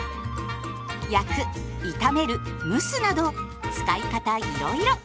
焼く炒める蒸すなど使い方いろいろ。